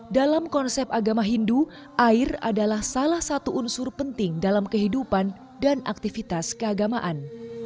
dalam konsep agama hindu air adalah salah satu unsur penting dalam kehidupan dan aktivitas keagamaan